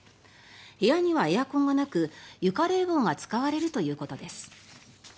部屋にはエアコンがなく床冷房が使われるということです。